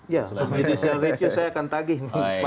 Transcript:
ya di social review saya akan tagih